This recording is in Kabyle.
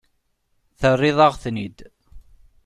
Terriḍ-aɣ-tent-id.